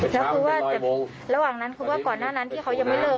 แล้วคือว่าแต่ระหว่างนั้นคือว่าก่อนหน้านั้นที่เขายังไม่เลิก